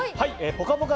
「ぽかぽか」